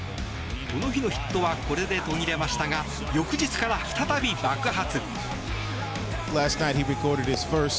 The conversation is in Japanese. この日のヒットはこれで途切れましたが翌日から再び爆発。